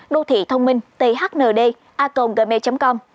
đô thị thông minh thnd atonggmail com